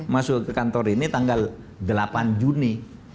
masuk ke kantor ini tanggal delapan juni